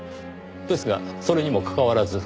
ですがそれにもかかわらず。